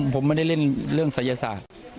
ผมไม่ได้เล่นเรื่องศัยศาสตร์